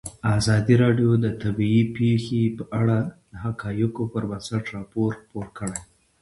ازادي راډیو د طبیعي پېښې په اړه د حقایقو پر بنسټ راپور خپور کړی.